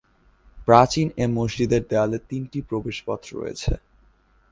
প্রাচীন এই মসজিদের দেয়ালে তিনটি প্রবেশ পথ রয়েছে।